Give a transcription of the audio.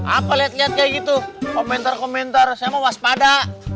apa lihat lihat kayak gitu komentar komentar saya mau waspada